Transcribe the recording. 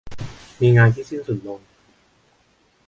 มีงานที่สิ้นสุดลง